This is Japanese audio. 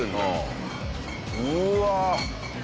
うわ！